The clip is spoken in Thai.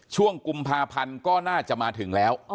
ช่วงกุมภาพันธ์ก็น่าจะมาถึงแล้ว